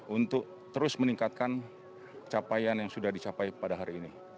untuk terus meningkatkan capaian yang sudah dicapai pada hari ini